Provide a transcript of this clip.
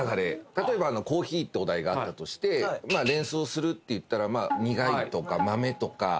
例えばコーヒーってお題があったとして連想するっていったら。